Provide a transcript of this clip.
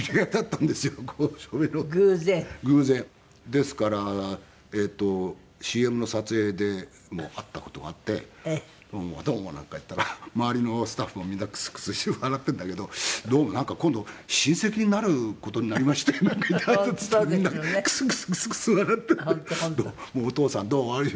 ですからＣＭの撮影でも会った事があって「どうもどうも」なんか言ったら周りのスタッフもみんなクスクスして笑っているんだけど「どうもなんか今度親戚になる事になりまして」なんか言って挨拶したらみんながクスクスクスクス笑っていて「お父さんどうもよろしく」